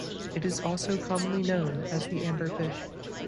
It is also commonly known as the amber fish.